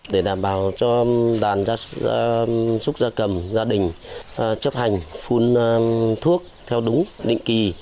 để đảm bảo cho đàn gia súc gia cầm gia đình chấp hành phun thuốc theo đúng định kỳ